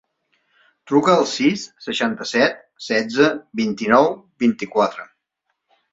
Truca al sis, seixanta-set, setze, vint-i-nou, vint-i-quatre.